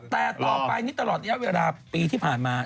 แต่ต่อไปนี้ตลอดระยะเวลาปีที่ผ่านมา